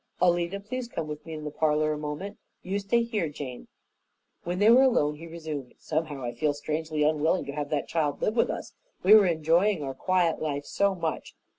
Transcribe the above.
"Alida, please come with me in the parlor a moment. You stay here, Jane." When they were alone, he resumed, "Somehow, I feel strangely unwilling to have that child live with us. We were enjoying our quiet life so much.